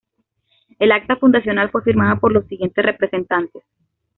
El acta fundacional fue firmada por los siguientes representantes.